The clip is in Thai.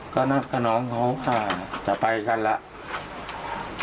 ก็เนาะกันหวังเขาว่าจะไปกันแล้ว